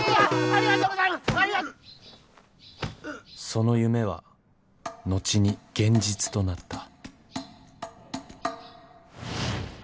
その夢は後に現実となった。